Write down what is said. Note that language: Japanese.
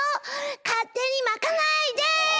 勝手に巻かないで！